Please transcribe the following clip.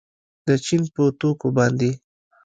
د چین په توکو باندې